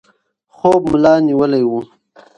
خوب ملا نیولی و.